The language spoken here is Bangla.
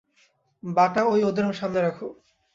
বাটা ঐ ওঁদের সামনে রাখো।